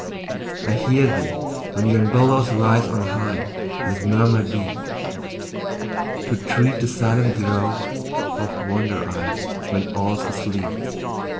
I hear thee, when yon billows rise on high, With murmur deep. To tread the silent grove oft wander I, When all's asleep.